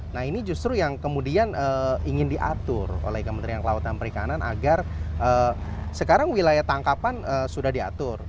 nah ini justru yang kemudian ingin diatur oleh kementerian kelautan perikanan agar sekarang wilayah tangkapan sudah diatur